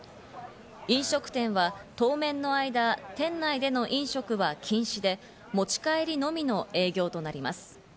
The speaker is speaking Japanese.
飲食店は当面の間、店内での飲食は禁止で、持ち帰りのみの営業となります。